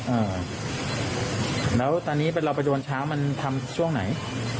อืมแล้วตอนนี้เราไปใช้ช้างมันทำเรื่องไหน